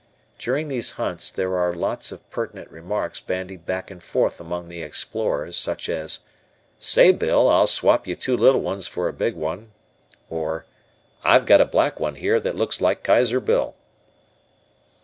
During these hunts there are lots of pertinent remarks bandied back and forth among the explorers, such as, "Say, Bill, I'll swap you two little ones for a big one," or, "I've got a black one here that looks like Kaiser Bill."